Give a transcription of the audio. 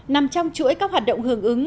nằm trong chuỗi các hoạt động hưởng ứng